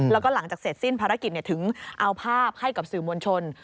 แล้วก็หลังจากเสร็จสิ้นภารกิจถึงเอาภาพให้กับสื่อมวลชน